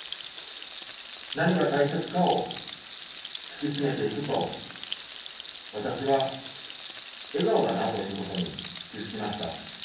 何が大切かを突き詰めていくと、私は、笑顔だなということに気付きました。